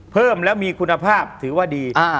เพิ่มแล้วมีคุณภาพถือว่าดี